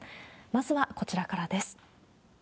まずはこちらからです。